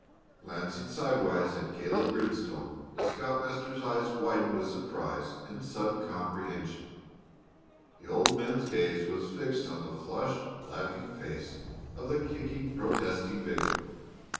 Glancing sidewise at Caleb Grimstone, the scoutmaster's eyes widened with surprise and sudden comprehension. The old man's gaze was fixed on the flushed, laughing face of the kicking, protesting victim.